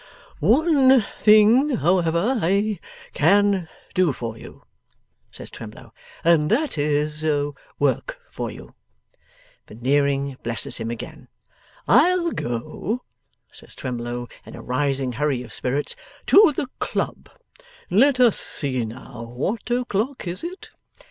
'One thing, however, I CAN do for you,' says Twemlow; 'and that is, work for you.' Veneering blesses him again. 'I'll go,' says Twemlow, in a rising hurry of spirits, 'to the club; let us see now; what o'clock is it?